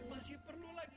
masih perlu lagi